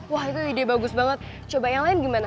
wah itu ide bagus banget coba yang lain gimana